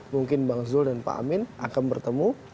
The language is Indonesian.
mungkin bang zul dan pak amin akan bertemu